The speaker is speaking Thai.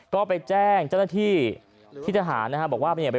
ก็ไปแจ้งเจ้าหน้าที่ที่ทหารนะฮะบอกว่าไม่อยากไป